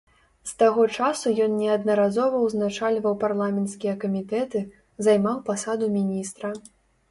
З таго часу ён неаднаразова ўзначальваў парламенцкія камітэты, займаў пасаду міністра.